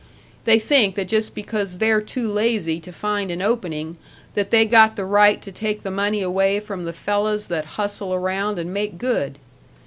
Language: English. They think that just because they're too lazy to find an opening, that they got the right to take the money away from the fellas that hustle around and make good.